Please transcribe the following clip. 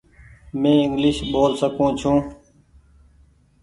مين انگليش ٻول سڪون ڇي ۔